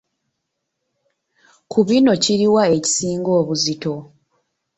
Ku bino kiri wa ekisinga obuzito?